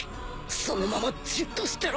そのままじっとしてろ